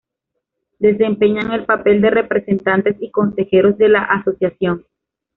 Desempeñan el papel de representantes y consejeros de la asociación.